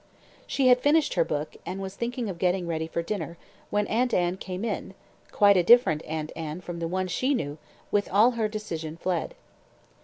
She had finished her book, and was thinking of getting ready for dinner, when Aunt Anne came in quite a different Aunt Anne from the one she knew, with all her decision fled.